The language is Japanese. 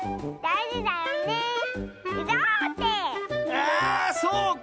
あそうか！